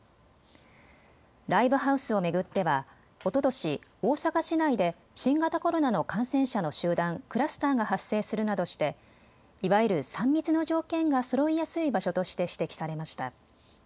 ライブハウスを巡ってはおととし大阪市内で新型コロナの感染者の集団・クラスターが発生するなどしていわゆる３密の条件がそろいやすい場所として指摘されました。